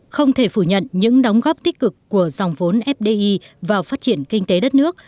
không thể phủ nhận những đóng góp tích cực của dòng vốn fdi vào phát triển kinh tế đất nước